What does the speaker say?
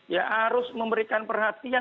ya harus memberikan perhatian